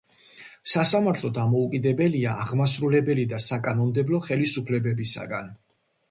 სასამართლო დამოუკიდებელია აღმასრულებელი და საკანონმდებლო ხელისუფლებებისგან.